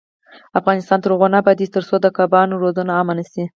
افغانستان تر هغو نه ابادیږي، ترڅو د کبانو روزنه عامه نشي.